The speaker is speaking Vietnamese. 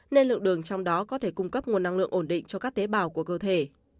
nên lượng đường trong đó có thể cung cấp nguồn năng lượng ổn định cho các tế bào của cơ thể